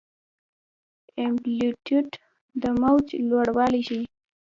امپلیتیوډ د موج لوړوالی ښيي.